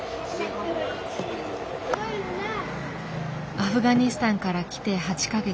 アフガニスタンから来て８か月。